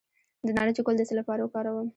د نارنج ګل د څه لپاره وکاروم؟